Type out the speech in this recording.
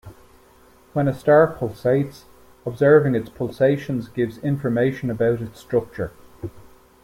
When a star pulsates, observing its pulsations gives information about its structure.